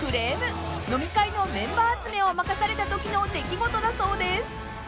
［飲み会のメンバー集めを任されたときの出来事だそうです］